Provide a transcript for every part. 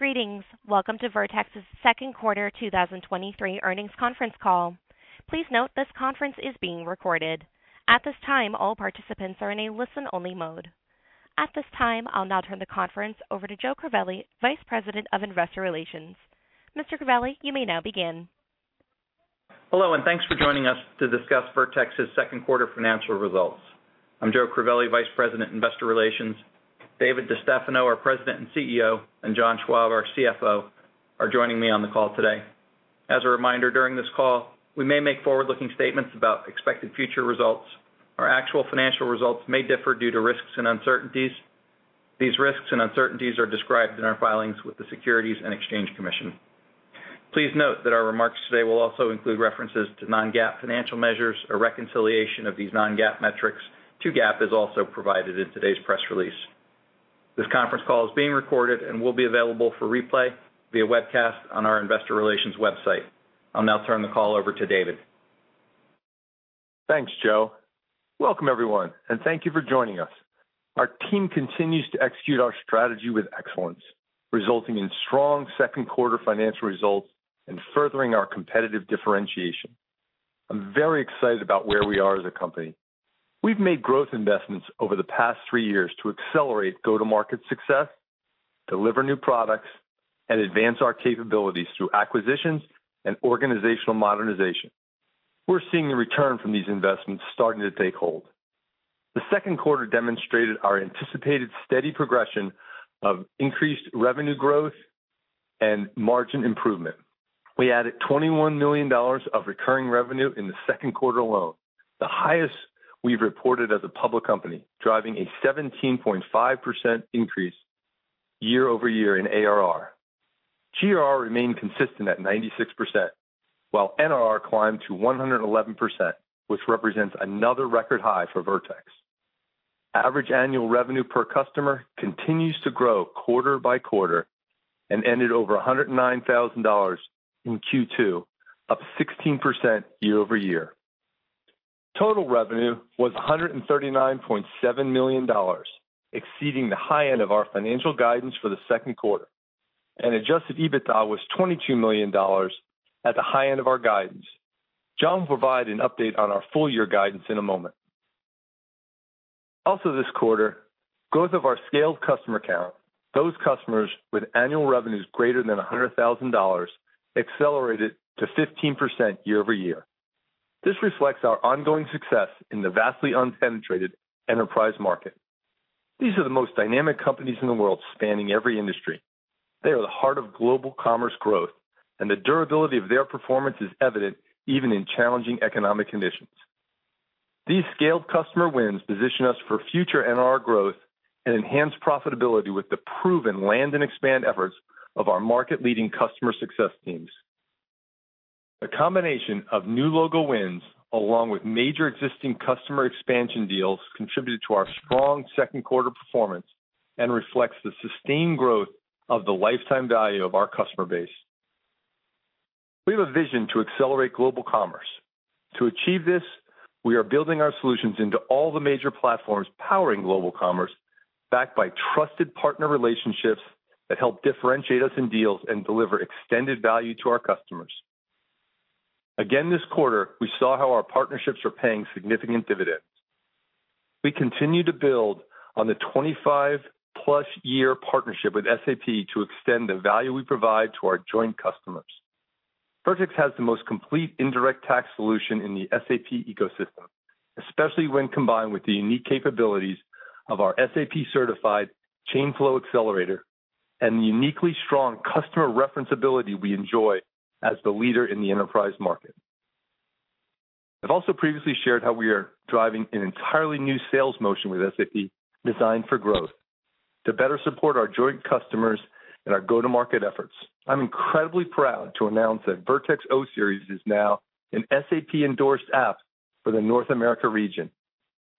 Greetings. Welcome to Vertex's Q2 2023 earnings conference call. Please note, this conference is being recorded. At this time, all participants are in a listen-only mode. At this time, I'll now turn the conference over to Joe Crivelli, Vice President, Investor Relations. Mr. Crivelli, you may now begin. Hello, and thanks for joining us to discuss Vertex's Q2 financial results. I'm Joe Crivelli, Vice President, Investor Relations. David DeStefano, our President and CEO, and John Schwab, our CFO, are joining me on the call today. As a reminder, during this call, we may make forward-looking statements about expected future results. Our actual financial results may differ due to risks and uncertainties. These risks and uncertainties are described in our filings with the Securities and Exchange Commission. Please note that our remarks today will also include references to non-GAAP financial measures. A reconciliation of these non-GAAP metrics to GAAP is also provided in today's press release. This conference call is being recorded and will be available for replay via webcast on our investor relations website. I'll now turn the call over to David. Thanks, Joe. Welcome, everyone, and thank you for joining us. Our team continues to execute our strategy with excellence, resulting in strong Q2 financial results and furthering our competitive differentiation. I'm very excited about where we are as a company. We've made growth investments over the past three years to accelerate go-to-market success, deliver new products, and advance our capabilities through acquisitions and organizational modernization. We're seeing the return from these investments starting to take hold. The Q2 demonstrated our anticipated steady progression of increased revenue growth and margin improvement. We added $21 million of recurring revenue in the Q2 alone, the highest we've reported as a public company, driving a 17.5% increase year-over-year in ARR. GR remained consistent at 96%, while NRR climbed to 111%, which represents another record high for Vertex. Average annual revenue per customer continues to grow quarter by quarter and ended over $109,000 in Q2, up 16% year-over-year. Total revenue was $139.7 million, exceeding the high end of our financial guidance for the Q2. Adjusted EBITDA was $22 million, at the high end of our guidance. John will provide an update on our full year guidance in a moment. Also, this quarter, growth of our scaled customer count, those customers with annual revenues greater than $100,000, accelerated to 15% year-over-year. This reflects our ongoing success in the vastly unpenetrated enterprise market. These are the most dynamic companies in the world, spanning every industry. They are the heart of global commerce growth, and the durability of their performance is evident even in challenging economic conditions. These scaled customer wins position us for future NRR growth and enhance profitability with the proven land and expand efforts of our market-leading customer success teams. A combination of new logo wins, along with major existing customer expansion deals, contributed to our strong Q2 performance and reflects the sustained growth of the lifetime value of our customer base. We have a vision to accelerate global commerce. To achieve this, we are building our solutions into all the major platforms powering global commerce, backed by trusted partner relationships that help differentiate us in deals and deliver extended value to our customers. Again, this quarter, we saw how our partnerships are paying significant dividends. We continue to build on the 25 plus year partnership with SAP to extend the value we provide to our joint customers. Vertex has the most complete indirect tax solution in the SAP ecosystem, especially when combined with the unique capabilities of our SAP-certified Chain Flow Accelerator and the uniquely strong customer reference ability we enjoy as the leader in the enterprise market. I've also previously shared how we are driving an entirely new sales motion with SAP, designed for growth, to better support our joint customers and our go-to-market efforts. I'm incredibly proud to announce that Vertex O Series is now an SAP Endorsed App for the North America region.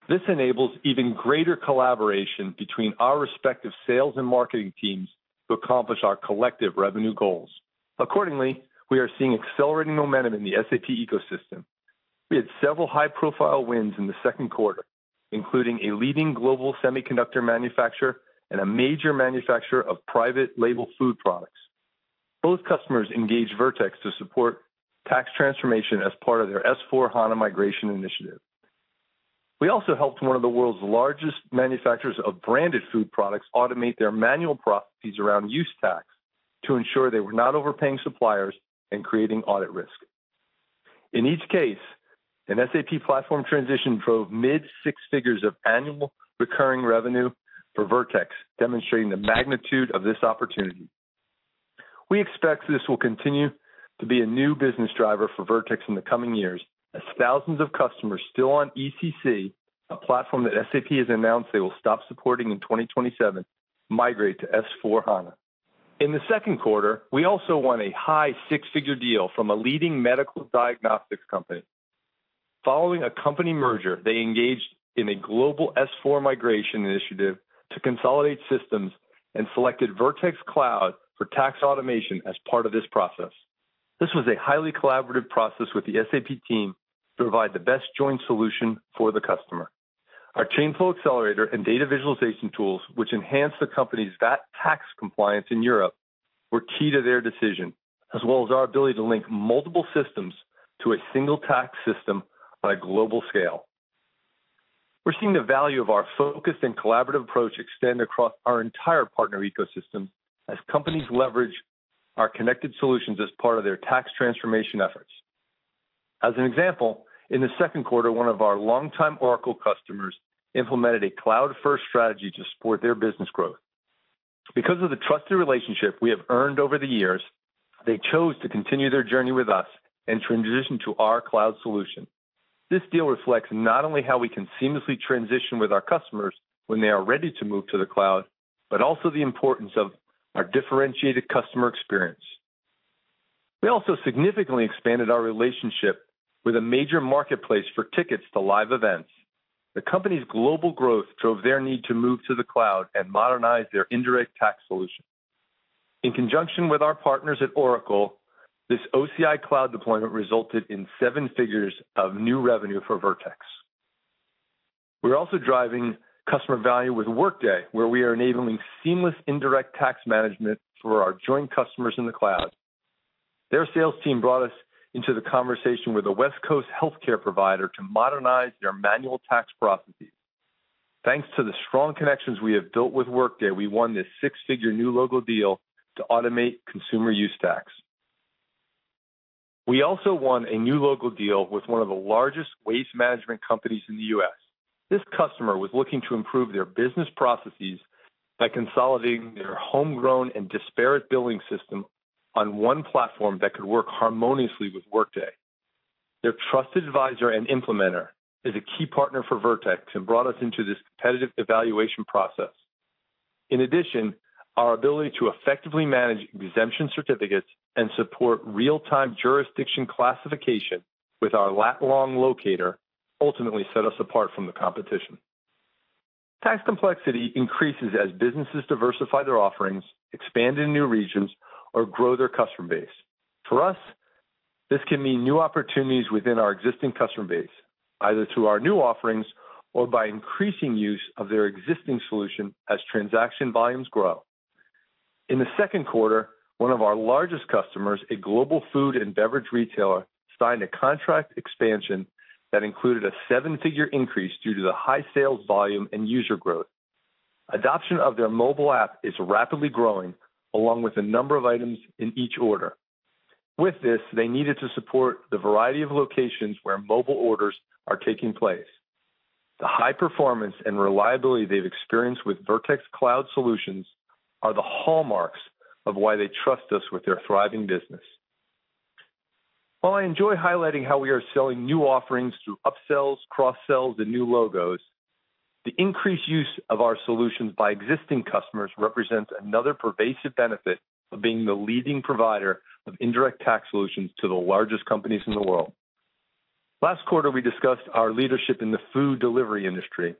This enables even greater collaboration between our respective sales and marketing teams to accomplish our collective revenue goals. Accordingly, we are seeing accelerating momentum in the SAP ecosystem. We had several high-profile wins in the Q2, including a leading global semiconductor manufacturer and a major manufacturer of private label food products. Both customers engaged Vertex to support tax transformation as part of their S/4HANA migration initiative. We also helped one of the world's largest manufacturers of branded food products automate their manual processes around use tax to ensure they were not overpaying suppliers and creating audit risk. In each case, an SAP platform transition drove $mid-six figures of annual recurring revenue for Vertex, demonstrating the magnitude of this opportunity. We expect this will continue to be a new business driver for Vertex in the coming years, as thousands of customers still on ECC, a platform that SAP has announced they will stop supporting in 2027, migrate to S/4HANA. In the Q2, we also won a $high six-figure deal from a leading medical diagnostics company. Following a company merger, they engaged in a global S/4 migration initiative to consolidate systems and selected Vertex Cloud for tax automation as part of this process. This was a highly collaborative process with the SAP team to provide the best joint solution for the customer. Our Chain Flow Accelerator and data visualization tools, which enhance the company's VAT tax compliance in Europe, were key to their decision, as well as our ability to link multiple systems to a single tax system on a global scale. We're seeing the value of our focused and collaborative approach extend across our entire partner ecosystem as companies leverage our connected solutions as part of their tax transformation efforts. As an example, in the Q2, one of our longtime Oracle customers implemented a cloud-first strategy to support their business growth. Because of the trusted relationship we have earned over the years, they chose to continue their journey with us and transition to our cloud solution. This deal reflects not only how we can seamlessly transition with our customers when they are ready to move to the cloud, but also the importance of our differentiated customer experience. We also significantly expanded our relationship with a major marketplace for tickets to live events. The company's global growth drove their need to move to the cloud and modernize their indirect tax solution. In conjunction with our partners at Oracle, this OCI cloud deployment resulted in $7 figures of new revenue for Vertex. We're also driving customer value with Workday, where we are enabling seamless indirect tax management for our joint customers in the cloud. Their sales team brought us into the conversation with a West Coast healthcare provider to modernize their manual tax processes. Thanks to the strong connections we have built with Workday, we won this six-figure new logo deal to automate consumer use tax. We also won a new logo deal with one of the largest waste management companies in the U.S. This customer was looking to improve their business processes by consolidating their homegrown and disparate billing system on one platform that could work harmoniously with Workday. Their trusted advisor and implementer is a key partner for Vertex and brought us into this competitive evaluation process. In addition, our ability to effectively manage exemption certificates and support real-time jurisdiction classification with our lat/long locator ultimately set us apart from the competition. Tax complexity increases as businesses diversify their offerings, expand in new regions, or grow their customer base. For us, this can mean new opportunities within our existing customer base, either through our new offerings or by increasing use of their existing solution as transaction volumes grow. In the Q2, one of our largest customers, a global food and beverage retailer, signed a contract expansion that included a seven-figure increase due to the high sales volume and user growth. Adoption of their mobile app is rapidly growing, along with the number of items in each order. With this, they needed to support the variety of locations where mobile orders are taking place. The high performance and reliability they've experienced with Vertex cloud solutions are the hallmarks of why they trust us with their thriving business. While I enjoy highlighting how we are selling new offerings through upsells, cross-sells, and new logos, the increased use of our solutions by existing customers represents another pervasive benefit of being the leading provider of indirect tax solutions to the largest companies in the world. Last quarter, we discussed our leadership in the food delivery industry.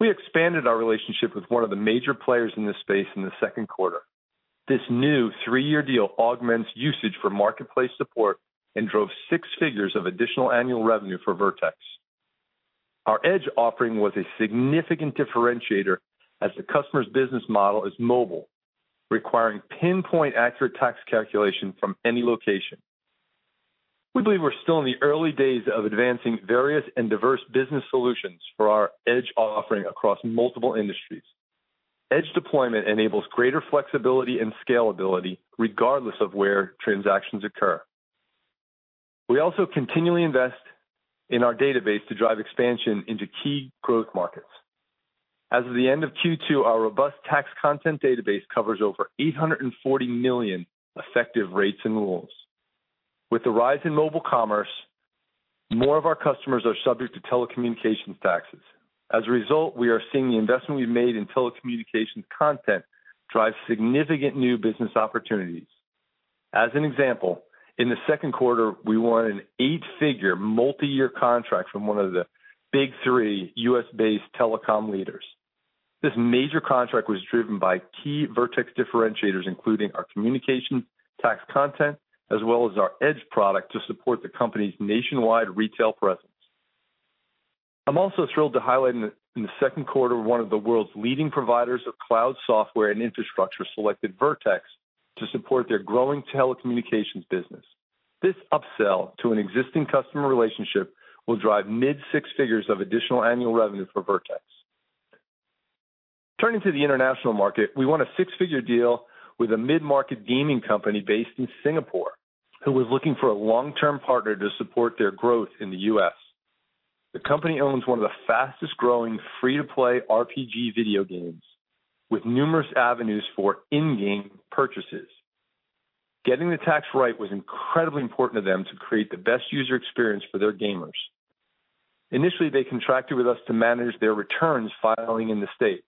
We expanded our relationship with one of the major players in this space in the Q2. This new 3-year deal augments usage for marketplace support and drove six figures of additional annual revenue for Vertex. Our Edge offering was a significant differentiator as the customer's business model is mobile, requiring pinpoint accurate tax calculation from any location. We believe we're still in the early days of advancing various and diverse business solutions for our Edge offering across multiple industries. Edge deployment enables greater flexibility and scalability regardless of where transactions occur. We also continually invest in our database to drive expansion into key growth markets. As of the end of Q2, our robust tax content database covers over 840 million effective rates and rules. With the rise in mobile commerce, more of our customers are subject to telecommunications taxes. As a result, we are seeing the investment we've made in telecommunications content drive significant new business opportunities. As an example, in the Q2, we won an 8-figure, multi-year contract from one of the big three U.S.-based telecom leaders. This major contract was driven by key Vertex differentiators, including our communications tax content, as well as our Edge product to support the company's nationwide retail presence. I'm also thrilled to highlight in the Q2, one of the world's leading providers of cloud software and infrastructure selected Vertex to support their growing telecommunications business. This upsell to an existing customer relationship will drive mid six figures of additional annual revenue for Vertex. Turning to the international market, we won a six-figure deal with a mid-market gaming company based in Singapore, who was looking for a long-term partner to support their growth in the U.S. The company owns one of the fastest growing free-to-play RPG video games, with numerous avenues for in-game purchases. Getting the tax right was incredibly important to them to create the best user experience for their gamers. Initially, they contracted with us to manage their returns filing in the States.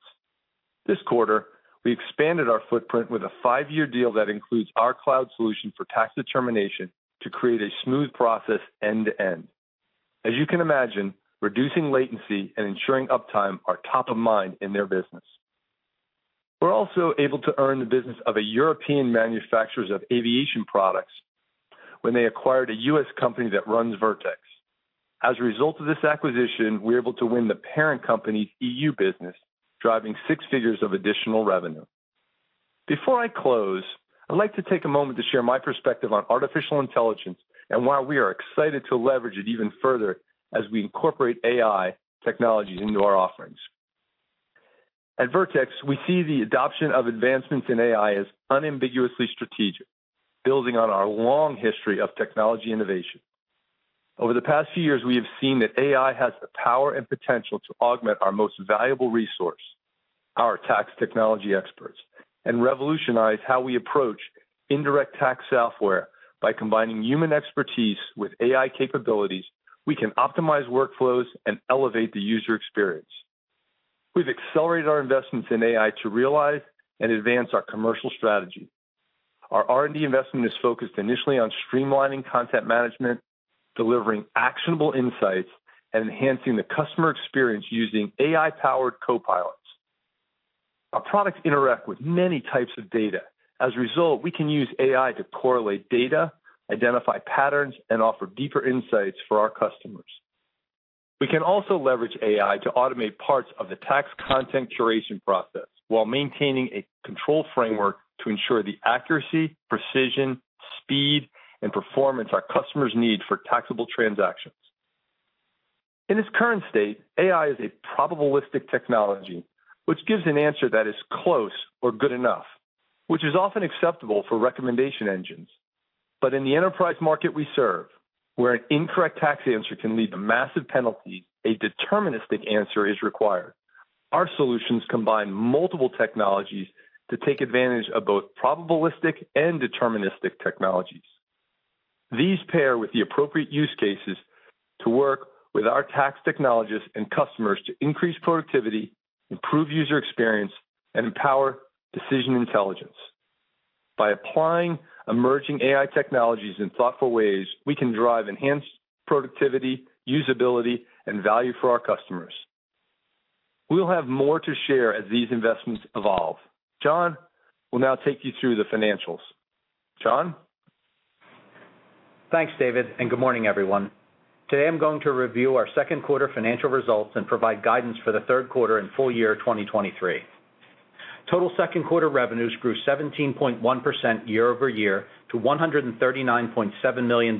This quarter, we expanded our footprint with a five-year deal that includes our cloud solution for tax determination to create a smooth process end to end. As you can imagine, reducing latency and ensuring uptime are top of mind in their business. We're also able to earn the business of a European manufacturers of aviation products when they acquired a U.S. company that runs Vertex. As a result of this acquisition, we're able to win the parent company's EU business, driving six figures of additional revenue. Before I close, I'd like to take a moment to share my perspective on artificial intelligence and why we are excited to leverage it even further as we incorporate AI technologies into our offerings. At Vertex, we see the adoption of advancements in AI as unambiguously strategic, building on our long history of technology innovation. Over the past few years, we have seen that AI has the power and potential to augment our most valuable resource, our tax technology experts, and revolutionize how we approach indirect tax software. By combining human expertise with AI capabilities, we can optimize workflows and elevate the user experience. We've accelerated our investments in AI to realize and advance our commercial strategy. Our R&D investment is focused initially on streamlining content management, delivering actionable insights, and enhancing the customer experience using AI-powered copilots. Our products interact with many types of data. As a result, we can use AI to correlate data, identify patterns, and offer deeper insights for our customers. We can also leverage AI to automate parts of the tax content curation process while maintaining a control framework to ensure the accuracy, precision, speed, and performance our customers need for taxable transactions. In its current state, AI is a probabilistic technology, which gives an answer that is close or good enough, which is often acceptable for recommendation engines. In the enterprise market we serve, where an incorrect tax answer can lead to massive penalties, a deterministic answer is required. Our solutions combine multiple technologies to take advantage of both probabilistic and deterministic technologies. These pair with the appropriate use cases to work with our tax technologists and customers to increase productivity, improve user experience, and empower decision intelligence. By applying emerging AI technologies in thoughtful ways, we can drive enhanced productivity, usability, and value for our customers. We'll have more to share as these investments evolve. John will now take you through the financials. John? Thanks, David. Good morning, everyone. Today, I'm going to review our Q2 financial results and provide guidance for the Q3 and full year 2023. Total Q2 revenues grew 17.1% year-over-year to $139.7 million,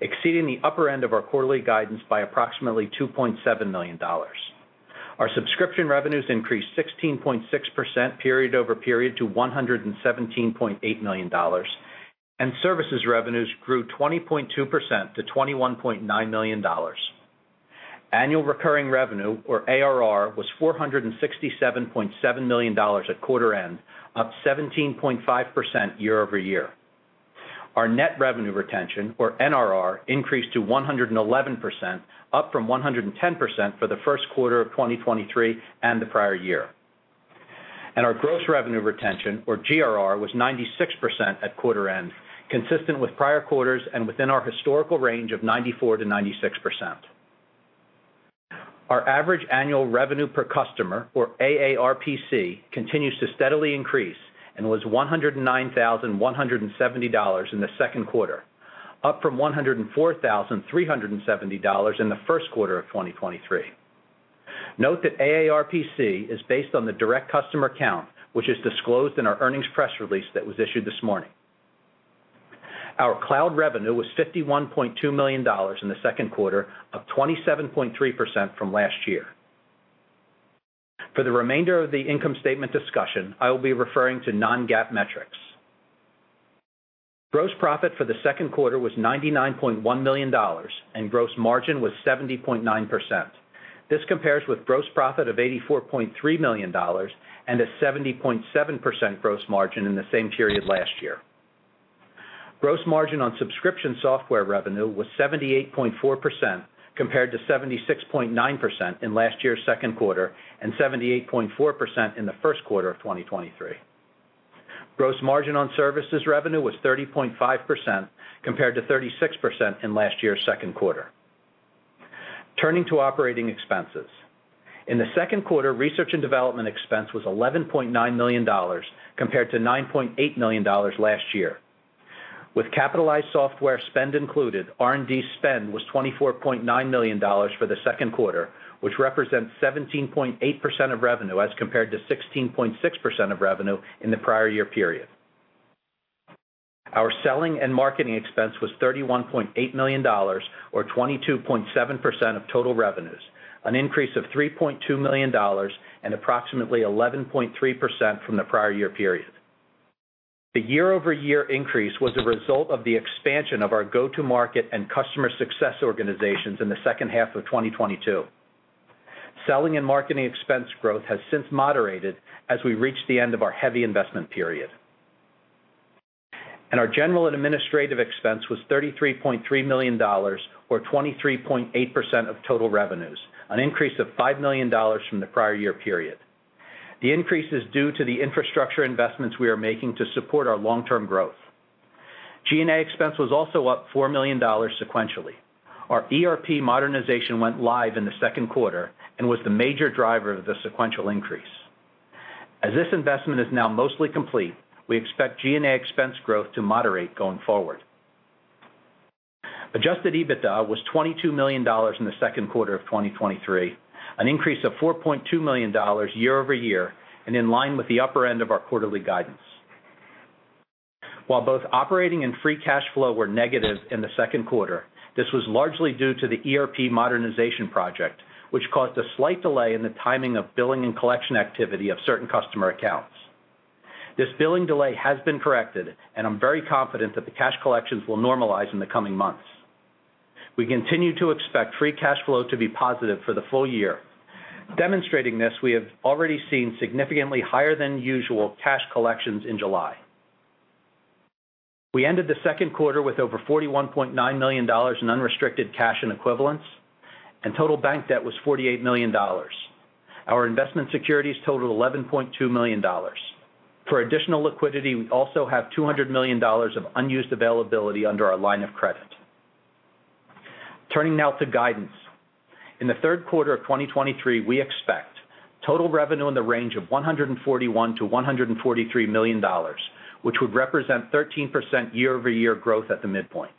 exceeding the upper end of our quarterly guidance by approximately $2.7 million. Our subscription revenues increased 16.6% period over period to $117.8 million, and services revenues grew 20.2% to $21.9 million. Annual recurring revenue, or ARR, was $467.7 million at quarter end, up 17.5% year-over-year. Our net revenue retention, or NRR, increased to 111%, up from 110% for the Q1 of 2023 and the prior year. Our gross revenue retention, or GRR, was 96% at quarter end, consistent with prior quarters and within our historical range of 94%–96%. Our average annual revenue per customer, or AARPC, continues to steadily increase and was $109,170 in the Q2, up from $104,370 in the Q1 of 2023. Note that AARPC is based on the direct customer count, which is disclosed in our earnings press release that was issued this morning. Our cloud revenue was $51.2 million in the Q2, up 27.3% from last year. For the remainder of the income statement discussion, I will be referring to non-GAAP metrics. Gross profit for the Q2 was $99.1 million, and gross margin was 70.9%. This compares with gross profit of $84.3 million and a 70.7% gross margin in the same period last year. Gross margin on subscription software revenue was 78.4%, compared to 76.9% in last year's Q2 and 78.4% in the Q1 of 2023. Gross margin on services revenues was 30.5%, compared to 36% in last year's Q2. Turning to operating expenses. In the Q2, research and development expense was $11.9 million, compared to $9.8 million last year. With capitalized software spend included, R&D spend was $24.9 million for the Q2, which represents 17.8% of revenue, as compared to 16.6% of revenue in the prior year period. Our selling and marketing expense was $31.8 million, or 22.7% of total revenues, an increase of $3.2 million and approximately 11.3% from the prior year period. The year-over-year increase was a result of the expansion of our go-to-market and customer success organizations in the second half of 2022. Selling and marketing expense growth has since moderated as we reached the end of our heavy investment period. Our general and administrative expense was $33.3 million, or 23.8% of total revenues, an increase of $5 million from the prior year period. The increase is due to the infrastructure investments we are making to support our long-term growth. G&A expense was also up $4 million sequentially. Our ERP modernization went live in the Q2 and was the major driver of the sequential increase. As this investment is now mostly complete, we expect G&A expense growth to moderate going forward. adjusted EBITDA was $22 million in the Q2 of 2023, an increase of $4.2 million year-over-year, in line with the upper end of our quarterly guidance. Both operating and free cash flow were negative in the Q2, this was largely due to the ERP modernization project, which caused a slight delay in the timing of billing and collection activity of certain customer accounts. This billing delay has been corrected, I'm very confident that the cash collections will normalize in the coming months. We continue to expect free cash flow to be positive for the full year. Demonstrating this, we have already seen significantly higher than usual cash collections in July. We ended the Q2 with over $41.9 million in unrestricted cash and equivalents, total bank debt was $48 million. Our investment securities totaled $11.2 million. For additional liquidity, we also have $200 million of unused availability under our line of credit. Turning now to guidance. In the Q3 of 2023, we expect total revenue in the range of $141 million–$143 million, which would represent 13% year-over-year growth at the midpoint,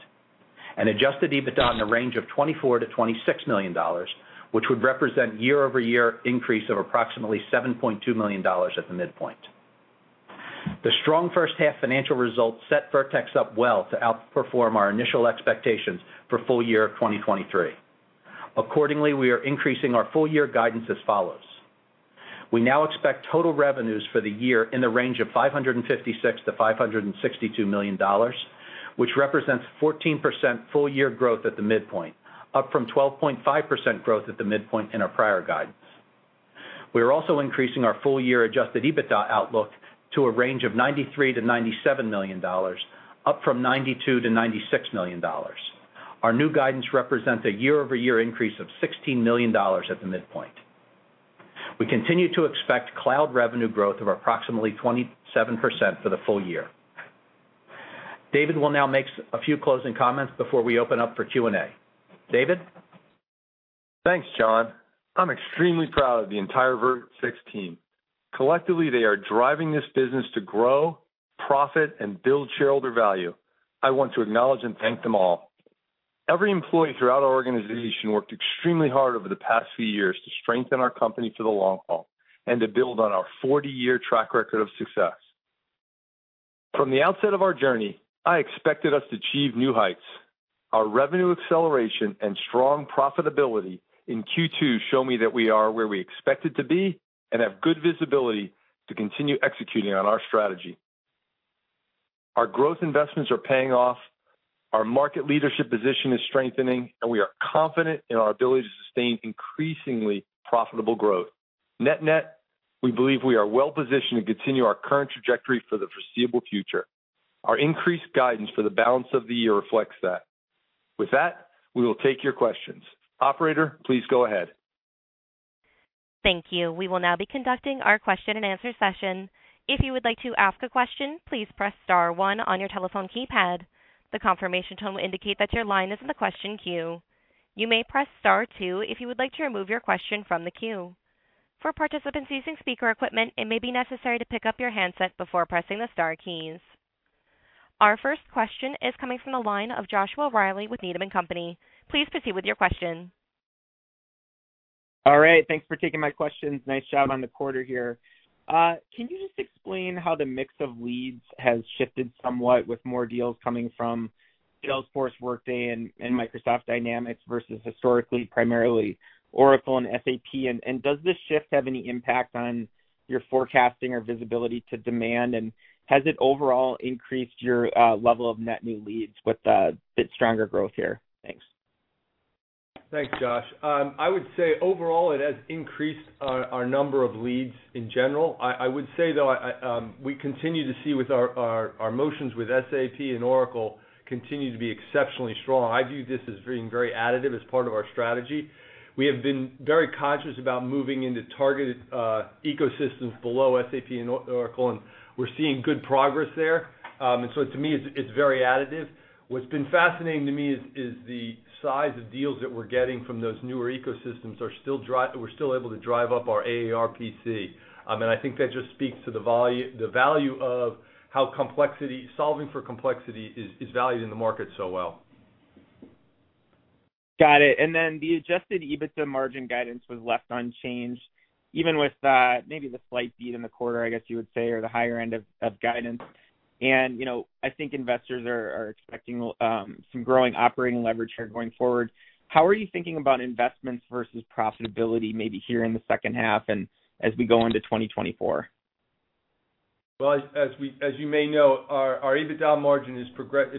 and adjusted EBITDA in the range of $24 million–$26 million, which would represent year-over-year increase of approximately $7.2 million at the midpoint. The strong first half financial results set Vertex up well to outperform our initial expectations for full year of 2023. Accordingly, we are increasing our full year guidance as follows: We now expect total revenues for the year in the range of $556 million–$562 million, which represents 14% full year growth at the midpoint, up from 12.5% growth at the midpoint in our prior guidance. We are also increasing our full year adjusted EBITDA outlook to a range of $93 million–$97 million, up from $92 million–$96 million. Our new guidance represents a year-over-year increase of $16 million at the midpoint. We continue to expect cloud revenue growth of approximately 27% for the full year. David will now make a few closing comments before we open up for Q&A. David? Thanks, John. I'm extremely proud of the entire Vertex team. Collectively, they are driving this business to grow, profit, and build shareholder value. I want to acknowledge and thank them all. Every employee throughout our organization worked extremely hard over the past few years to strengthen our company for the long haul and to build on our 40-year track record of success. From the outset of our journey, I expected us to achieve new heights. Our revenue acceleration and strong profitability in Q2 show me that we are where we expected to be and have good visibility to continue executing on our strategy. Our growth investments are paying off, our market leadership position is strengthening, and we are confident in our ability to sustain increasingly profitable growth. Net-net, we believe we are well positioned to continue our current trajectory for the foreseeable future. Our increased guidance for the balance of the year reflects that. With that, we will take your questions. Operator, please go ahead. Thank you. We will now be conducting our question-and-answer session. If you would like to ask a question, please press star one on your telephone keypad. The confirmation tone will indicate that your line is in the question queue. You may press star two if you would like to remove your question from the queue. For participants using speaker equipment, it may be necessary to pick up your handset before pressing the star keys. Our first question is coming from the line of Joshua Reilly with Needham and Company. Please proceed with your question. All right. Thanks for taking my questions. Nice job on the quarter here. Can you just explain how the mix of leads has shifted somewhat with more deals coming from Salesforce, Workday, and Microsoft Dynamics versus historically, primarily Oracle and SAP? Does this shift have any impact on your forecasting or visibility to demand, and has it overall increased your level of net new leads with the bit stronger growth here? Thanks. Thanks, Josh. I would say overall, it has increased our, our number of leads in general. I would say, though, we continue to see with our, our, our motions with SAP and Oracle continue to be exceptionally strong. I view this as being very additive as part of our strategy. We have been very conscious about moving into targeted ecosystems below SAP and Oracle, and we're seeing good progress there. So to me, it's, it's very additive. What's been fascinating to me is the size of deals that we're getting from those newer ecosystems, we're still able to drive up our AARPC. I think that just speaks to the value of how solving for complexity is valued in the market so well. Got it. Then the adjusted EBITDA margin guidance was left unchanged, even with, maybe the slight beat in the quarter, I guess you would say, or the higher end of, of guidance. You know, I think investors are, are expecting some growing operating leverage here going forward. How are you thinking about investments versus profitability maybe here in the second half and as we go into 2024? Well, as you may know, our, our EBITDA margin has progressed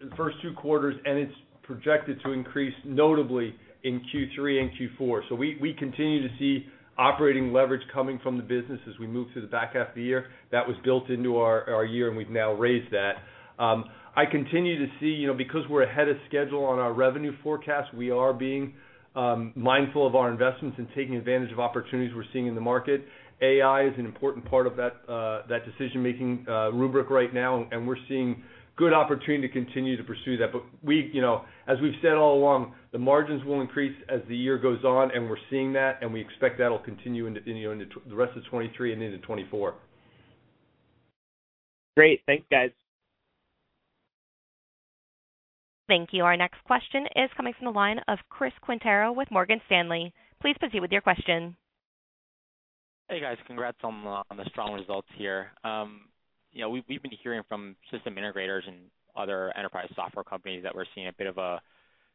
the first two quarters, and it's projected to increase notably in Q3 and Q4. We, we continue to see operating leverage coming from the business as we move to the back half of the year. That was built into our, our year, and we've now raised that. I continue to see, you know, because we're ahead of schedule on our revenue forecast, we are being mindful of our investments and taking advantage of opportunities we're seeing in the market. AI is an important part of that, that decision-making rubric right now, and we're seeing good opportunity to continue to pursue that. We, you know, as we've said all along, the margins will increase as the year goes on, and we're seeing that, and we expect that'll continue in the, you know, in the rest of 2023 and into 2024. Great! Thanks, guys. Thank you. Our next question is coming from the line of Chris Quintero with Morgan Stanley. Please proceed with your question. Hey, guys. Congrats on, on the strong results here. you know, we've, we've been hearing from system integrators and other enterprise software companies that we're seeing a bit of a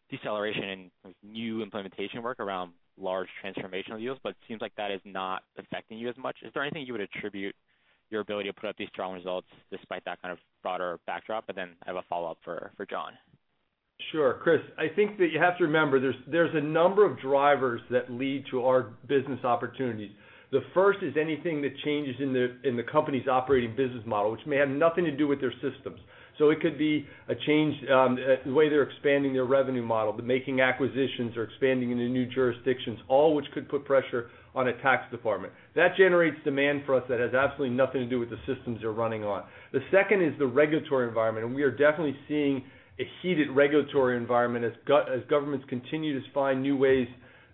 deceleration in new implementation work around large transformational deals, but it seems like that is not affecting you as much. Is there anything you would attribute your ability to put up these strong results despite that kind of broader backdrop? Then I have a follow-up for, for John. Sure, Chris. I think that you have to remember, there's, there's a number of drivers that lead to our business opportunities. The first is anything that changes in the, in the company's operating business model, which may have nothing to do with their systems. It could be a change, the way they're expanding their revenue model, but making acquisitions or expanding into new jurisdictions, all which could put pressure on a tax department. That generates demand for us that has absolutely nothing to do with the systems they're running on. The second is the regulatory environment, we are definitely seeing a heated regulatory environment as governments continue to find new ways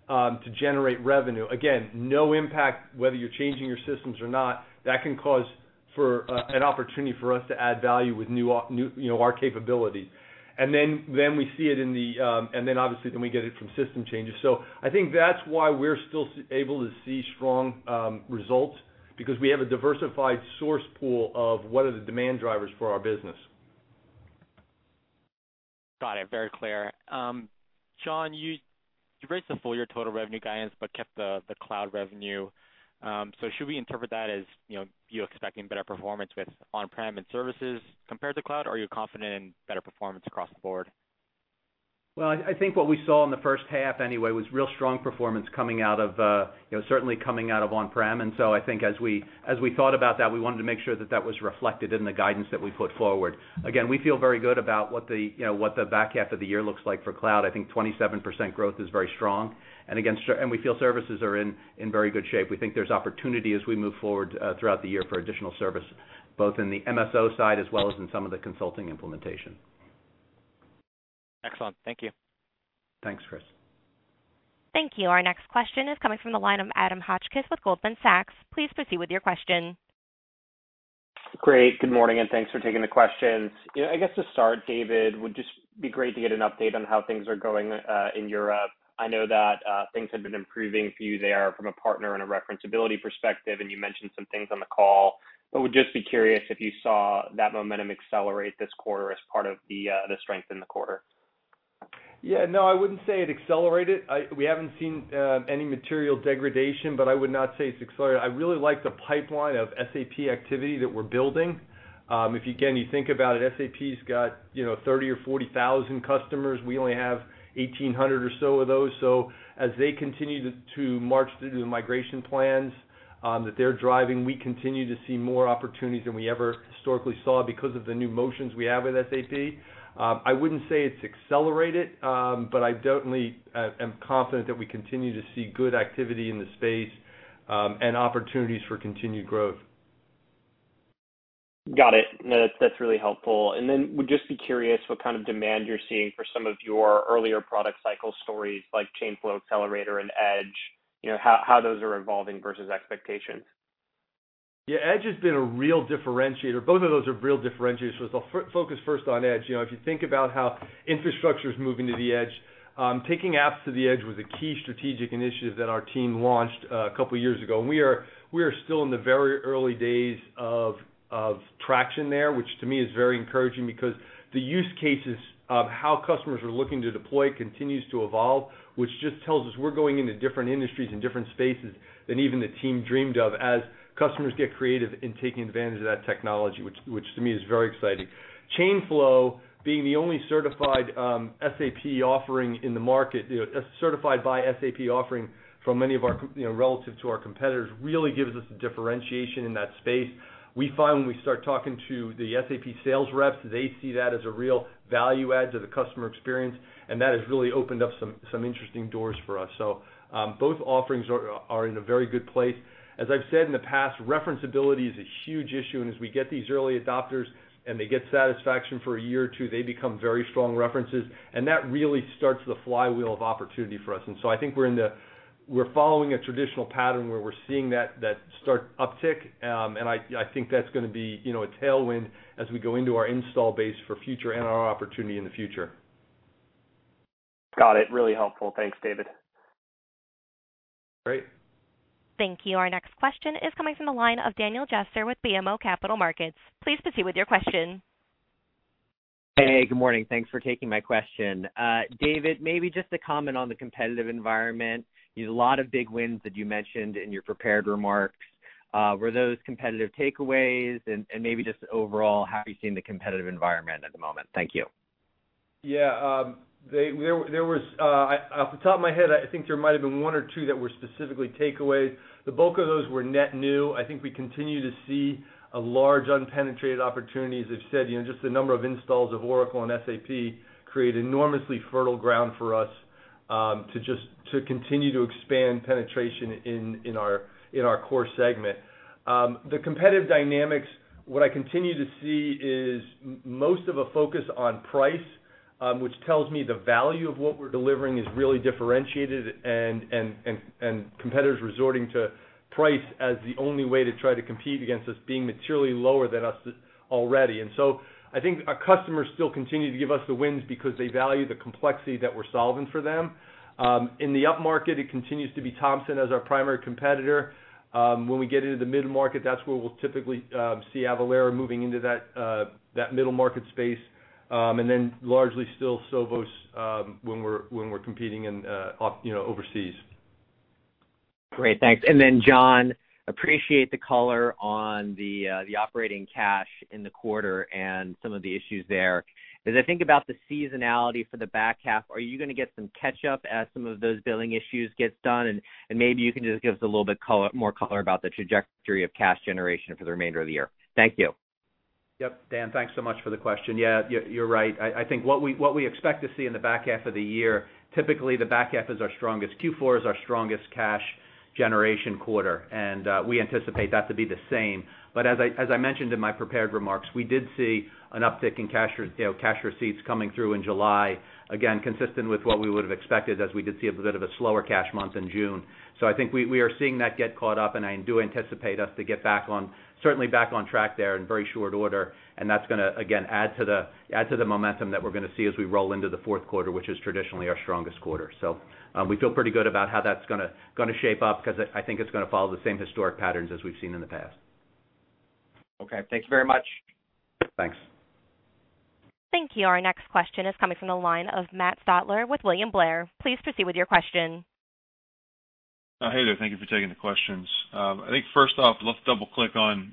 to generate revenue. Again, no impact whether you're changing your systems or not, that can cause for an opportunity for us to add value with new, you know, our capabilities. Then, then we see it in the. Then obviously, then we get it from system changes. I think that's why we're still able to see strong, results, because we have a diversified source pool of what are the demand drivers for our business. Got it. Very clear. John, you, you raised the full year total revenue guidance, but kept the, the cloud revenue. Should we interpret that as, you know, you expecting better performance with on-prem and services compared to cloud, or are you confident in better performance across the board? Well, I think what we saw in the first half anyway, was real strong performance coming out of, you know, certainly coming out of on-prem. I think as we, as we thought about that, we wanted to make sure that that was reflected in the guidance that we put forward. Again, we feel very good about what the, you know, what the back half of the year looks like for cloud. I think 27% growth is very strong, and again, and we feel services are in, in very good shape. We think there's opportunity as we move forward throughout the year for additional service, both in the MSO side as well as in some of the consulting implementation. Excellent. Thank you. Thanks, Chris. Thank you. Our next question is coming from the line of Adam Hotchkiss with Goldman Sachs. Please proceed with your question. Great, good morning, thanks for taking the questions. You know, I guess to start, David, would just be great to get an update on how things are going in Europe. I know that things have been improving for you there from a partner and a referenceability perspective, and you mentioned some things on the call. Would just be curious if you saw that momentum accelerate this quarter as part of the strength in the quarter. Yeah. No, I wouldn't say it accelerated. We haven't seen any material degradation, but I would not say it's accelerated. I really like the pipeline of SAP activity that we're building. If, again, you think about it, SAP's got, you know, 30,000 or 40,000 customers. We only have 1,800 or so of those. As they continue to, to march through the migration plans that they're driving, we continue to see more opportunities than we ever historically saw because of the new motions we have with SAP. I wouldn't say it's accelerated, but I definitely am confident that we continue to see good activity in the space and opportunities for continued growth. Got it. No, that's really helpful. Then would just be curious what kind of demand you're seeing for some of your earlier product cycle stories, like Chain Flow Accelerator and Edge, you know, how, how those are evolving versus expectations? Yeah, Edge has been a real differentiator. Both of those are real differentiators, so I'll focus first on Edge. You know, if you think about how infrastructure is moving to the Edge, taking apps to the Edge was a key strategic initiative that our team launched a couple of years ago. We are, we are still in the very early days of, of traction there, which to me is very encouraging because the use cases of how customers are looking to deploy continues to evolve, which just tells us we're going into different industries and different spaces than even the team dreamed of, as customers get creative in taking advantage of that technology, which, which to me is very exciting. Chain Flow, being the only certified, SAP offering in the market, you know, certified by SAP offering from many of our you know, relative to our competitors, really gives us a differentiation in that space. We find when we start talking to the SAP sales reps, they see that as a real value add to the customer experience, and that has really opened up some, some interesting doors for us. Both offerings are, are in a very good place. As I've said in the past, referenceability is a huge issue, and as we get these early adopters and they get satisfaction for a year or two, they become very strong references, and that really starts the flywheel of opportunity for us. I think we're following a traditional pattern where we're seeing that, that start uptick, and I, I think that's gonna be, you know, a tailwind as we go into our install base for future and our opportunity in the future. Got it. Really helpful. Thanks, David. Great. Thank you. Our next question is coming from the line of Daniel Jester with BMO Capital Markets. Please proceed with your question. Hey, good morning. Thanks for taking my question. David, maybe just a comment on the competitive environment. You know, a lot of big wins that you mentioned in your prepared remarks. Were those competitive takeaways? Maybe just overall, how are you seeing the competitive environment at the moment? Thank you. Yeah, there, there was Off the top of my head, I think there might have been one or two that were specifically takeaways. The bulk of those were net new. I think we continue to see a large unpenetrated opportunities. As I've said, you know, just the number of installs of Oracle and SAP create enormously fertile ground for us, to continue to expand penetration in, in our, in our core segment. The competitive dynamics, what I continue to see is most of a focus on price, which tells me the value of what we're delivering is really differentiated, and, and, and, and competitors resorting to price as the only way to try to compete against us being materially lower than us already. I think our customers still continue to give us the wins because they value the complexity that we're solving for them. In the upmarket, it continues to be Thomson as our primary competitor. When we get into the mid-market, that's where we'll typically see Avalara moving into that middle market space, and then largely still Sovos when we're competing overseas. Great, thanks. John, appreciate the color on the operating cash in the quarter and some of the issues there. As I think about the seasonality for the back half, are you gonna get some catch up as some of those billing issues gets done? Maybe you can just give us a little bit color, more color about the trajectory of cash generation for the remainder of the year. Thank you. Yep, Dan, thanks so much for the question. Yeah, you're, you're right. I think what we expect to see in the back half of the year, typically the back half is our strongest. Q4 is our strongest cash generation quarter. We anticipate that to be the same. As I mentioned in my prepared remarks, we did see an uptick in cash or, you know, cash receipts coming through in July. Again, consistent with what we would have expected, as we did see a bit of a slower cash month in June. I think we are seeing that get caught up, and I do anticipate us to get back on track there in very short order. That's gonna, again, add to the, add to the momentum that we're gonna see as we roll into the Q4, which is traditionally our strongest quarter. We feel pretty good about how that's gonna, gonna shape up, 'cause I, I think it's gonna follow the same historic patterns as we've seen in the past. Okay, thanks very much. Thanks. Thank you. Our next question is coming from the line of Matt Stotler with William Blair. Please proceed with your question. Hey there. Thank you for taking the questions. I think first off, let's double-click on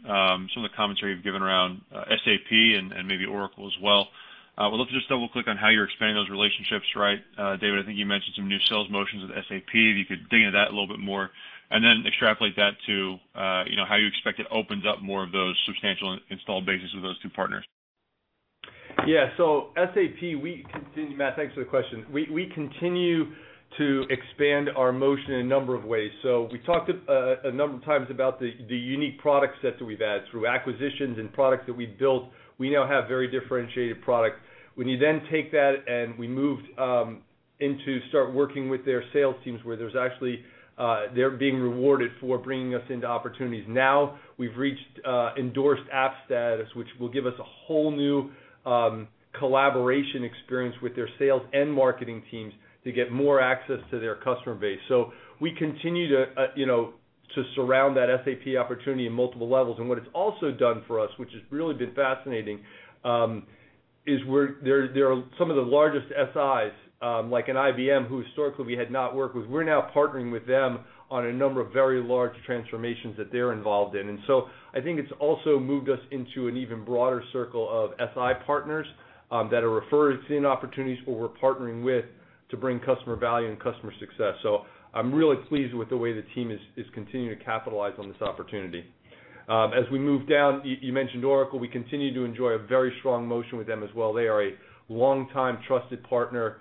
some of the commentary you've given around SAP and, and maybe Oracle as well. Let's just double-click on how you're expanding those relationships, right? David, I think you mentioned some new sales motions with SAP. If you could dig into that a little bit more, and then extrapolate that to, you know, how you expect it opens up more of those substantial installed bases with those two partners. Yeah. SAP, we continue. Matt, thanks for the question. We continue to expand our motion in a number of ways. We talked a number of times about the unique product set that we've had through acquisitions and products that we've built. We now have very differentiated product. When you then take that and we moved into start working with their sales teams, where there's actually they're being rewarded for bringing us into opportunities. Now, we've reached Endorsed App status, which will give us a whole new collaboration experience with their sales and marketing teams to get more access to their customer base. We continue to, you know, to surround that SAP opportunity in multiple levels. What it's also done for us, which has really been fascinating, there, there are some of the largest SIs, like in IBM, who historically we had not worked with. We're now partnering with them on a number of very large transformations that they're involved in. So I think it's also moved us into an even broader circle of SI partners that are referring in opportunities or we're partnering with to bring customer value and customer success. So I'm really pleased with the way the team is, is continuing to capitalize on this opportunity. As we move down, you, you mentioned Oracle. We continue to enjoy a very strong motion with them as well. They are a longtime trusted partner.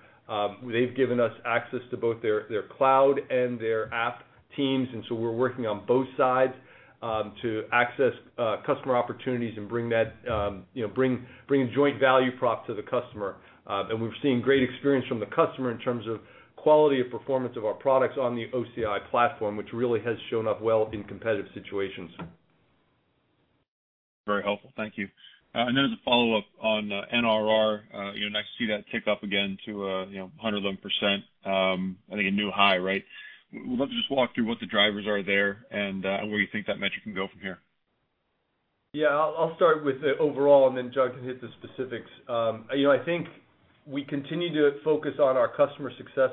They've given us access to both their, their cloud and their app teams, and so we're working on both sides to access customer opportunities and bring that, you know, bring, bring a joint value prop to the customer. We've seen great experience from the customer in terms of quality of performance of our products on the OCI platform, which really has shown up well in competitive situations. Very helpful. Thank you. Then as a follow-up on NRR, you know, nice to see that tick up again to, you know, 111%, I think a new high, right? Would love to just walk through what the drivers are there and where you think that metric can go from here. Yeah, I'll, I'll start with the overall, and then John can hit the specifics. You know, I think we continue to focus on our customer success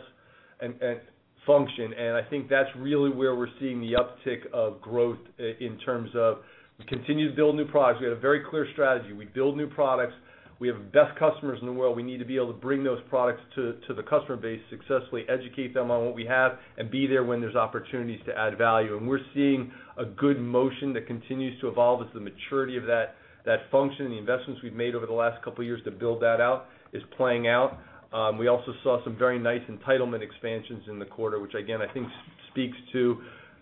and, and function, and I think that's really where we're seeing the uptick of growth in terms of we continue to build new products. We have a very clear strategy. We build new products. We have the best customers in the world. We need to be able to bring those products to, to the customer base, successfully educate them on what we have, and be there when there's opportunities to add value. We're seeing a good motion that continues to evolve as the maturity of that, that function and the investments we've made over the last couple of years to build that out, is playing out. We also saw some very nice entitlement expansions in the quarter, which again, I think speaks to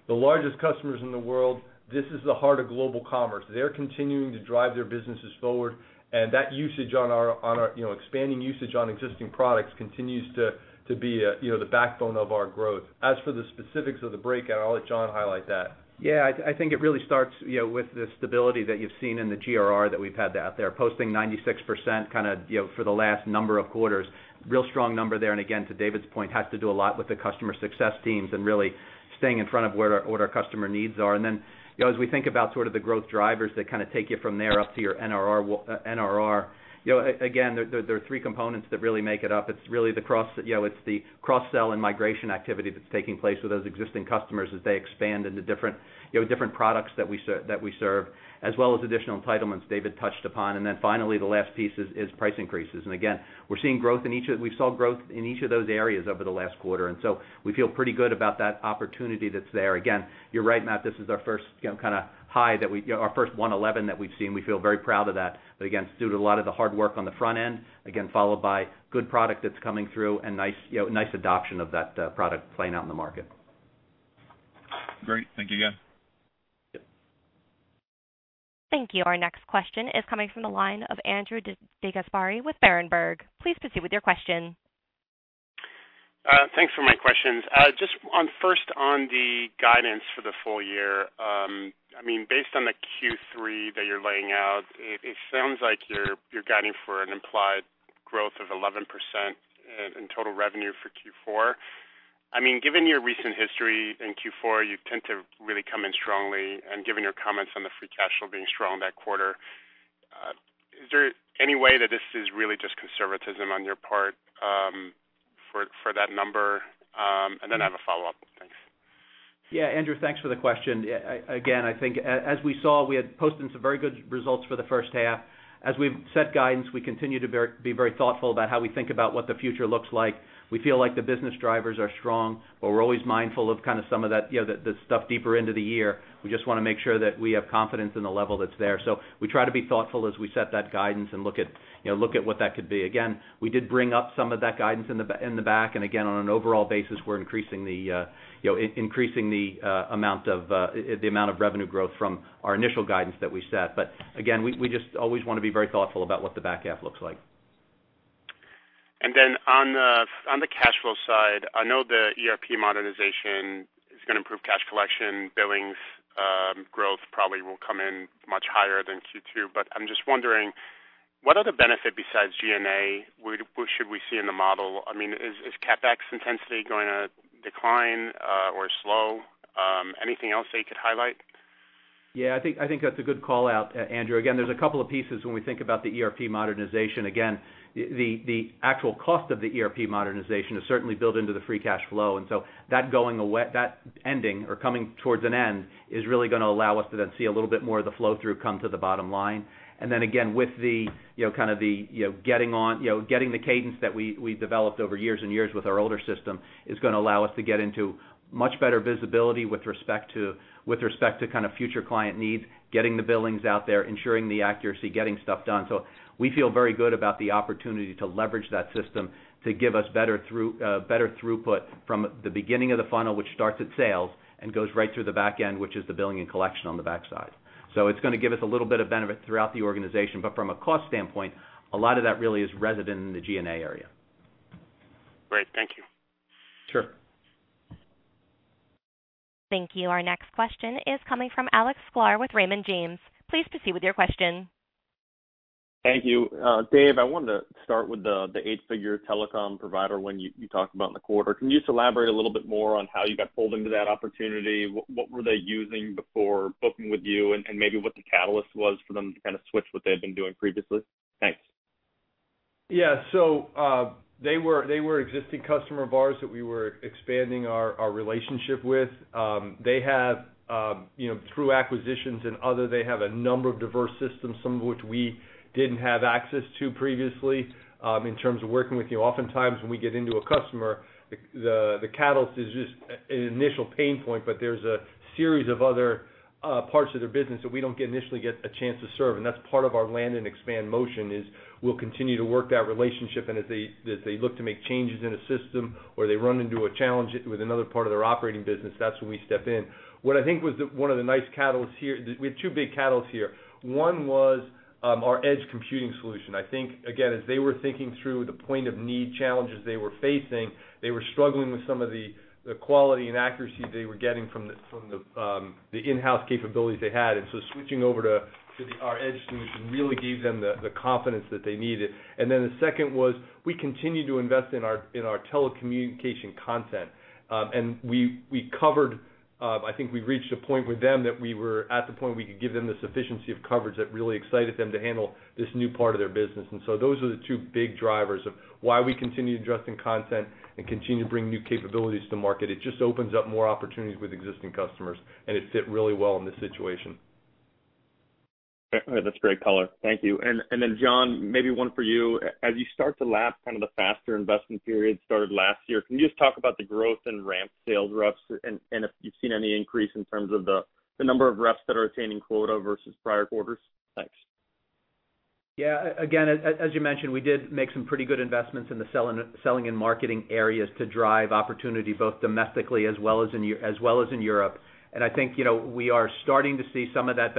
the largest customers in the world. This is the heart of global commerce. They're continuing to drive their businesses forward, and that usage on our, you know, expanding usage on existing products continues to be, you know, the backbone of our growth. As for the specifics of the breakout, I'll let John highlight that. Yeah, I, I think it really starts, you know, with the stability that you've seen in the GRR that we've had out there, posting 96% kind of, you know, for the last number of quarters. Real strong number there, and again, to David's point, has to do a lot with the customer success teams and really staying in front of what our, what our customer needs are. And then, you know, as we think about sort of the growth drivers that kind of take you from there up to your NRR, NRR, you know, again, there, there are 3 components that really make it up. It's really, you know, it's the cross-sell and migration activity that's taking place with those existing customers as they expand into different, you know, different products that we serve, as well as additional entitlements David touched upon. Finally, the last piece is price increases. Again, we're seeing growth in each of we saw growth in each of those areas over the last quarter, we feel pretty good about that opportunity that's there. Again, you're right, Matt, this is our first, you know, kind of high you know, our first 111 that we've seen. We feel very proud of that. Again, it's due to a lot of the hard work on the front end, again, followed by good product that's coming through and nice, you know, nice adoption of that product playing out in the market. Great. Thank you again. Thank you. Our next question is coming from the line of Andrew DeGasperi with Berenberg. Please proceed with your question. Thanks for my questions. Just on, first, on the guidance for the full year, I mean, based on the Q3 that you're laying out, it, it sounds like you're, you're guiding for an implied growth of 11% in, in total revenue for Q4. I mean, given your recent history in Q4, you tend to really come in strongly, and given your comments on the free cash flow being strong that quarter, is there any way that this is really just conservatism on your part, for, for that number? Then I have a follow-up. Thanks. Yeah, Andrew, thanks for the question. Yeah, again, I think as we saw, we had posted some very good results for the first half. We've set guidance, we continue to be very thoughtful about how we think about what the future looks like. We feel like the business drivers are strong, but we're always mindful of kind of some of that, you know, the stuff deeper into the year. We just wanna make sure that we have confidence in the level that's there. We try to be thoughtful as we set that guidance and look at, you know, look at what that could be. We did bring up some of that guidance in the back, and again, on an overall basis, we're increasing the, you know, increasing the amount of revenue growth from our initial guidance that we set. We, we just always wanna be very thoughtful about what the back half looks like. Then on the, on the cash flow side, I know the ERP modernization is gonna improve cash collection, billings, growth probably will come in much higher than Q2, but I'm just wondering, what other benefit besides G&A would, should we see in the model? I mean, is CapEx intensity going to decline or slow? Anything else that you could highlight? Yeah, I think, I think that's a good call-out, Andrew. There's a couple of pieces when we think about the ERP modernization. The actual cost of the ERP modernization is certainly built into the free cash flow, so that going away, that ending or coming towards an end, is really gonna allow us to then see a little bit more of the flow-through come to the bottom line. Then again, with the, you know, kind of the, getting on, you know, getting the cadence that we've developed over years and years with our older system, is gonna allow us to get into much better visibility with respect to kind of future client needs, getting the billings out there, ensuring the accuracy, getting stuff done. We feel very good about the opportunity to leverage that system to give us better through, better throughput from the beginning of the funnel, which starts at sales, and goes right through the back end, which is the billing and collection on the backside. It's gonna give us a little bit of benefit throughout the organization, but from a cost standpoint, a lot of that really is resident in the G&A area. Great. Thank you. Sure. Thank you. Our next question is coming from Alex Sklar with Raymond James. Please proceed with your question. Thank you. David, I wanted to start with the 8-figure telecom provider when you talked about in the quarter. Can you just elaborate a little bit more on how you got pulled into that opportunity? What were they using before booking with you, and maybe what the catalyst was for them to kind of switch what they had been doing previously? Thanks. Yeah. They were, they were an existing customer of ours that we were expanding our, our relationship with. They have, you know, through acquisitions and other, they have a number of diverse systems, some of which we didn't have access to previously. In terms of working with you, oftentimes, when we get into a customer, the, the, the catalyst is just an initial pain point, but there's a series of other parts of their business that we don't get initially get a chance to serve, and that's part of our land and expand motion, is we'll continue to work that relationship. As they, as they look to make changes in a system, or they run into a challenge with another part of their operating business, that's when we step in. What I think was one of the nice catalysts here... We had two big catalysts here. One was, our edge computing solution. I think, again, as they were thinking through the point of need challenges they were facing, they were struggling with some of the, the quality and accuracy they were getting from the, from the, the in-house capabilities they had. So switching over to, to the, our edge solution really gave them the, the confidence that they needed. Then the second was, we continued to invest in our, in our telecommunication content. We, we covered, I think we reached a point with them that we were at the point we could give them the sufficiency of coverage that really excited them to handle this new part of their business. Those are the two big drivers of why we continue to invest in content and continue to bring new capabilities to market. It just opens up more opportunities with existing customers, and it fit really well in this situation. Okay. That's great color. Thank you. Then, John, maybe one for you. As you start to lap kind of the faster investment period started last year, can you just talk about the growth in ramp sales reps, and if you've seen any increase in terms of the, the number of reps that are attaining quota versus prior quarters? Thanks. Yeah. Again, as, as you mentioned, we did make some pretty good investments in the selling and, selling and marketing areas to drive opportunity, both domestically as well as in Europe. I think, you know, we are starting to see some of that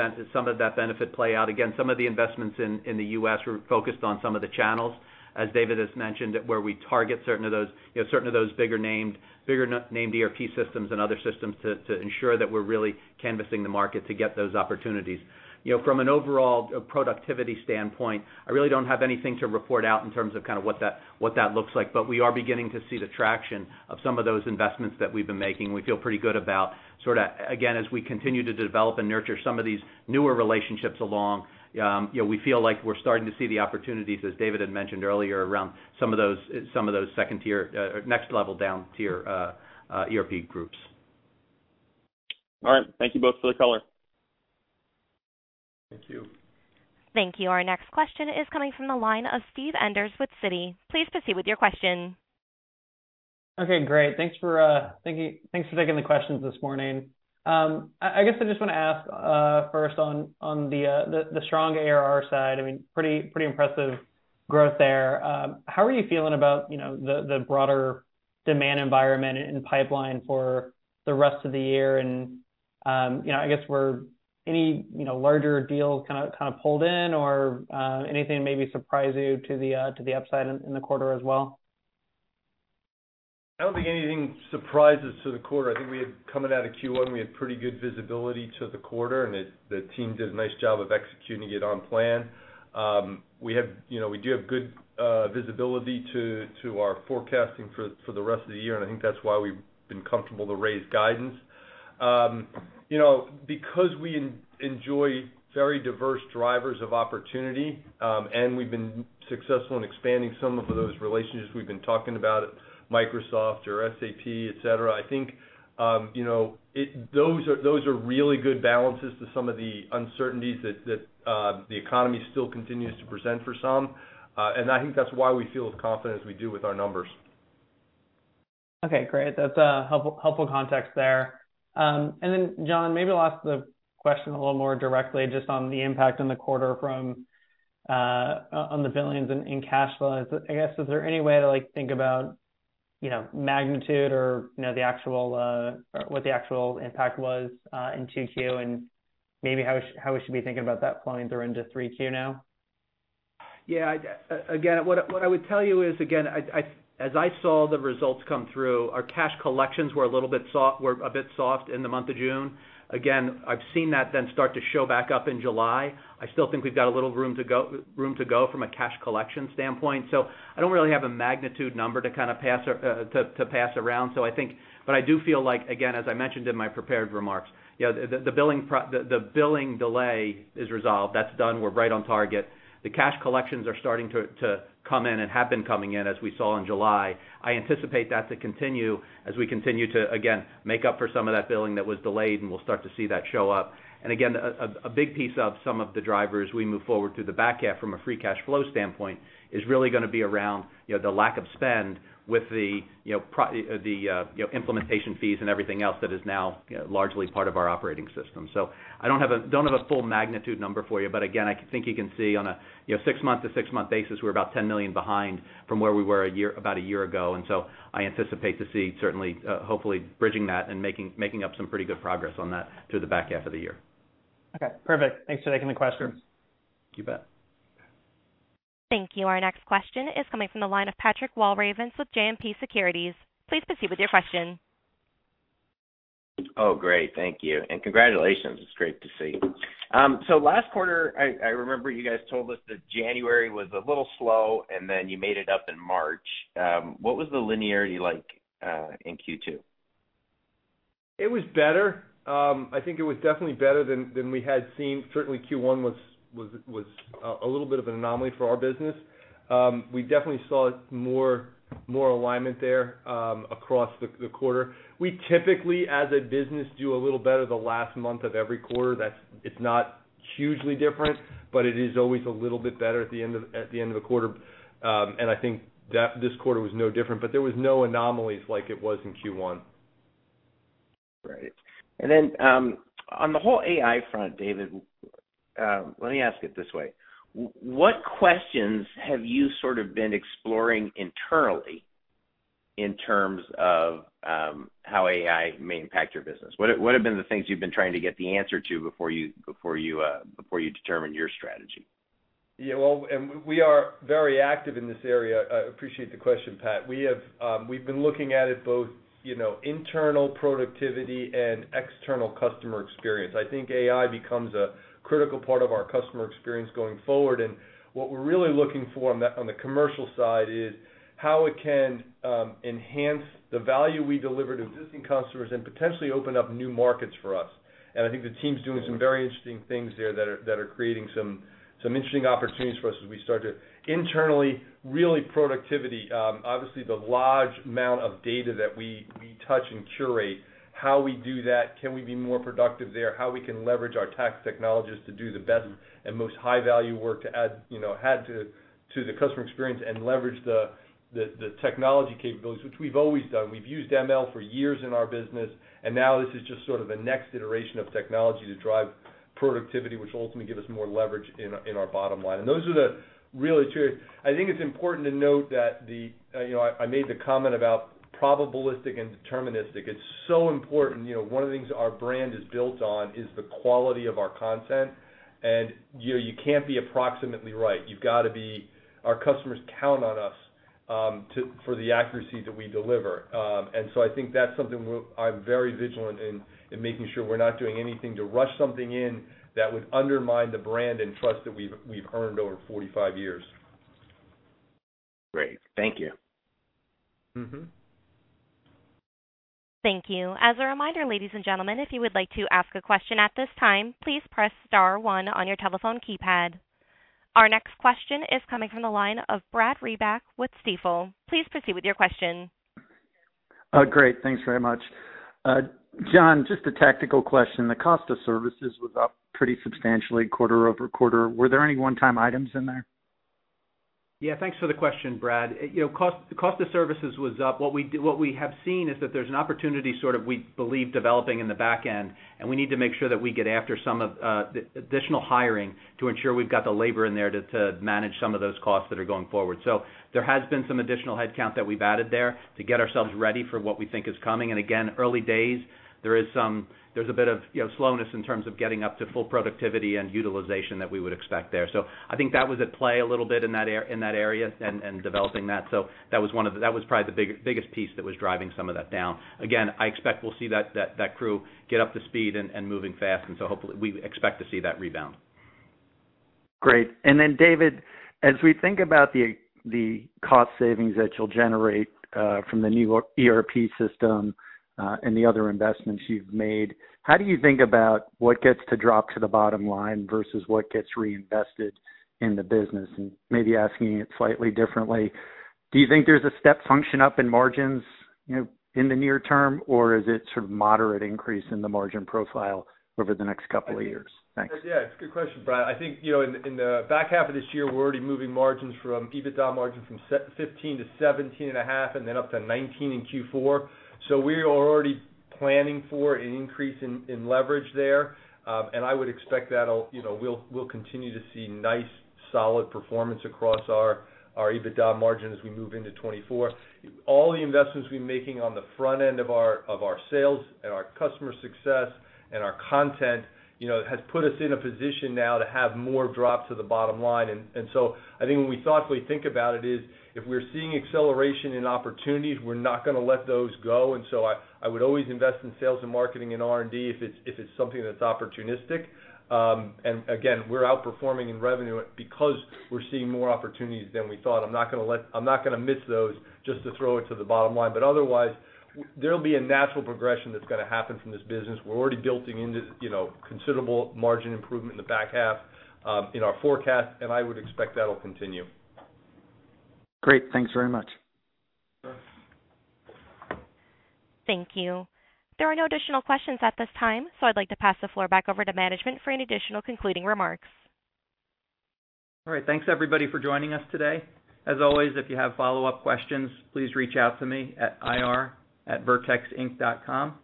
benefit play out. Again, some of the investments in, in the U.S. were focused on some of the channels, as David has mentioned, where we target certain of those, you know, certain of those bigger named, bigger named ERP systems and other systems, to, to ensure that we're really canvassing the market to get those opportunities. You know, from an overall productivity standpoint, I really don't have anything to report out in terms of kind of what that, what that looks like, but we are beginning to see the traction of some of those investments that we've been making. We feel pretty good about sort of, again, as we continue to develop and nurture some of these newer relationships along, you know, we feel like we're starting to see the opportunities, as David had mentioned earlier, around some of those, some of those second tier, or next level down tier, ERP groups. All right. Thank you both for the color. Thank you. Thank you. Our next question is coming from the line of Steve Enders with Citi. Please proceed with your question. Okay, great. Thanks for thanks for taking the questions this morning. I, I guess I just wanna ask first on on the strong ARR side, I mean, pretty impressive growth there. How are you feeling about, you know, the broader demand environment and pipeline for the rest of the year? You know, I guess were any, you know, larger deals kind of pulled in or anything that maybe surprised you to the upside in the quarter as well? I don't think anything surprised us to the quarter. I think coming out of Q1, we had pretty good visibility to the quarter, and the team did a nice job of executing it on plan. We have, you know, we do have good visibility to our forecasting for the rest of the year, and I think that's why we've been comfortable to raise guidance. You know, because we enjoy very diverse drivers of opportunity, and we've been successful in expanding some of those relationships we've been talking about, Microsoft or SAP, et cetera, I think, you know, those are, those are really good balances to some of the uncertainties that, that, the economy still continues to present for some. I think that's why we feel as confident as we do with our numbers. Okay, great. That's a helpful, helpful context there. John, maybe I'll ask the question a little more directly, just on the impact on the quarter from, on, on the billings in, in cash flow. I guess, is there any way to, like, think about, you know, magnitude or, you know, the actual, or what the actual impact was, in Q2, and maybe how we, how we should be thinking about that flowing through into 3Q now? Yeah, again, what I, what I would tell you is, again, as I saw the results come through, our cash collections were a bit soft in the month of June. Again, I've seen that then start to show back up in July. I still think we've got a little room to go, room to go from a cash collection standpoint. I don't really have a magnitude number to kind of pass, to pass around. I do feel like, again, as I mentioned in my prepared remarks, you know, the, the billing delay is resolved. That's done. We're right on target. The cash collections are starting to come in and have been coming in, as we saw in July. I anticipate that to continue as we continue to, again, make up for some of that billing that was delayed, and we'll start to see that show up. Again, a big piece of some of the drivers as we move forward through the back half from a free cash flow standpoint, is really gonna be around, you know, the lack of spend with the, you know, pro, the, you know, implementation fees and everything else that is now, largely part of our operating system. I don't have a full magnitude number for you, but again, I think you can see on a, you know, six-month to six-month basis, we're about $10 million behind from where we were about a year ago. I anticipate to see certainly, hopefully bridging that and making, making up some pretty good progress on that through the back half of the year. Okay, perfect. Thanks for taking the question. Sure. You bet. Thank you. Our next question is coming from the line of Patrick Walravens with JMP Securities. Please proceed with your question. Oh, great. Thank you, and congratulations. It's great to see. Last quarter, I, I remember you guys told us that January was a little slow, and then you made it up in March. What was the linearity like in Q2? It was better. I think it was definitely better than, than we had seen. Certainly, Q1 was, was, was a little bit of an anomaly for our business. We definitely saw more, more alignment there across the, the quarter. We typically, as a business, do a little better the last month of every quarter. That's, it's not hugely different, but it is always a little bit better at the end of, at the end of the quarter. I think that this quarter was no different, but there was no anomalies like it was in Q1. Great. Then, on the whole AI front, David, let me ask it this way: what questions have you sort of been exploring internally in terms of how AI may impact your business? What, what have been the things you've been trying to get the answer to before you, before you, before you determine your strategy? Yeah, well, we are very active in this area. I appreciate the question, Pat. We have, we've been looking at it both, you know, internal productivity and external customer experience. I think AI becomes a critical part of our customer experience going forward. What we're really looking for on the, on the commercial side is how it can enhance the value we deliver to existing customers and potentially open up new markets for us. I think the team's doing some very interesting things there that are, that are creating some, some interesting opportunities for us as we start to internally, really productivity. Obviously, the large amount of data that we, we touch and curate, how we do that, can we be more productive there? How we can leverage our tax technologists to do the best and most high-value work to add, you know, add to, to the customer experience and leverage the, the, the technology capabilities, which we've always done. We've used ML for years in our business, and now this is just sort of the next iteration of technology to drive productivity, which ultimately give us more leverage in, in our bottom line. Those are the really two... I think it's important to note that the, you know, I, I made the comment about probabilistic and deterministic. It's so important. You know, one of the things our brand is built on is the quality of our content, and, you know, you can't be approximately right. You've got to be... Our customers count on us for the accuracy that we deliver. I think that's something I'm very vigilant in, in making sure we're not doing anything to rush something in that would undermine the brand and trust that we've, we've earned over 45 years. Great. Thank you. Mm-hmm. Thank you. As a reminder, ladies and gentlemen, if you would like to ask a question at this time, please press star one on your telephone keypad. Our next question is coming from the line of Brad Reback with Stifel. Please proceed with your question. Great. Thanks very much. John, just a tactical question. The cost of services was up pretty substantially quarter-over-quarter. Were there any one-time items in there? ... Yeah, thanks for the question, Brad. You know, cost, cost of services was up. What we do-- what we have seen is that there's an opportunity sort of, we believe, developing in the back end, and we need to make sure that we get after some of the additional hiring to ensure we've got the labor in there to, to manage some of those costs that are going forward. There has been some additional headcount that we've added there to get ourselves ready for what we think is coming. Again, early days, there is some, there's a bit of, you know, slowness in terms of getting up to full productivity and utilization that we would expect there. I think that was at play a little bit in that are- in that area and, and developing that. That was one of the that was probably the biggest piece that was driving some of that down. Again, I expect we'll see that crew get up to speed and moving fast, hopefully, we expect to see that rebound. Great. Then, David, as we think about the, the cost savings that you'll generate, from the new ERP system, and the other investments you've made, how do you think about what gets to drop to the bottom line versus what gets reinvested in the business? Maybe asking it slightly differently, do you think there's a step function up in margins, you know, in the near term, or is it sort of moderate increase in the margin profile over the next couple of years? Thanks. Yeah, it's a good question, Brad. I think, you know, in, in the back half of this year, we're already moving margins from, EBITDA margins from 15%–17.5%, and then up to 19% in Q4. We are already planning for an increase in, in leverage there. I would expect that'll, you know, we'll, we'll continue to see nice, solid performance across our, our EBITDA margin as we move into 2024. All the investments we're making on the front end of our, of our sales and our customer success and our content, you know, has put us in a position now to have more drop to the bottom line. I think when we thoughtfully think about it, is if we're seeing acceleration in opportunities, we're not gonna let those go. I, I would always invest in sales and marketing and R&D if it's, if it's something that's opportunistic. Again, we're outperforming in revenue because we're seeing more opportunities than we thought. I'm not gonna let-- I'm not gonna miss those just to throw it to the bottom line. Otherwise, there'll be a natural progression that's gonna happen from this business. We're already building into, you know, considerable margin improvement in the back half, in our forecast, and I would expect that'll continue. Great. Thanks very much. Thank you. There are no additional questions at this time, so I'd like to pass the floor back over to management for any additional concluding remarks. All right. Thanks, everybody, for joining us today. As always, if you have follow-up questions, please reach out to me at ir@vertexinc.com.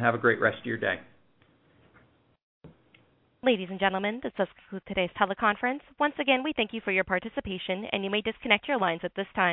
Have a great rest of your day. Ladies and gentlemen, this does conclude today's teleconference. Once again, we thank you for your participation, and you may disconnect your lines at this time.